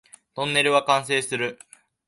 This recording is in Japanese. トンネルは完成する